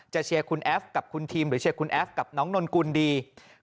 เชียร์คุณแอฟกับคุณทีมหรือเชียร์คุณแอฟกับน้องนนกุลดี